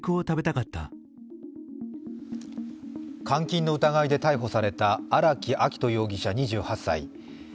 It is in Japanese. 監禁の疑いで逮捕された荒木秋冬容疑者２８歳。